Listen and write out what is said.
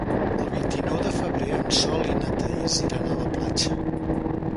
El vint-i-nou de febrer en Sol i na Thaís iran a la platja.